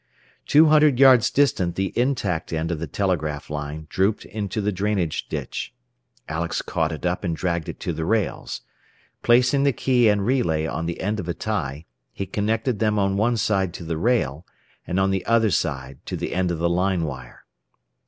Two hundred yards distant the intact end of the telegraph line drooped into the drainage ditch. Alex caught it up and dragged it to the rails. Placing the key and relay on the end of a tie, he connected them on one side to the rail, and on the other side to the end of the line wire.